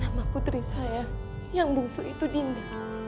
nama putri saya yang bungsu itu dinda